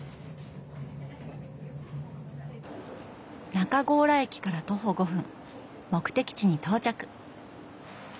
中強羅駅から徒歩５分目的地に到着。